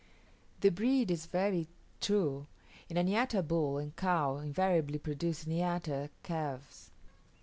The breed is very true; and a niata bull and cow invariably produce niata calves.